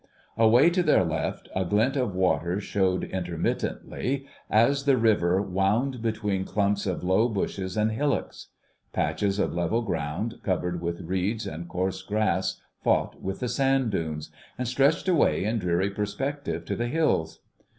Away to their left a glint of water showed intermittently as the river wound between clumps of low bushes and hillocks. Patches of level ground covered with reeds and coarse grass fought with the sand dunes, and stretched away in dreary perspective to the hills.